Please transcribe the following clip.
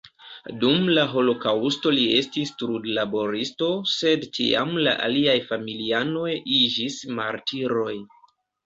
Dum la holokaŭsto li estis trudlaboristo, sed tiam la aliaj familianoj iĝis martiroj.